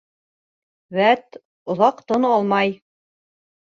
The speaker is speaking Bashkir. — Вәт оҙаҡ тын алмай!